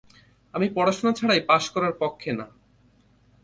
আমি পড়াশোনা ছাড়াই পাস করার পক্ষে না।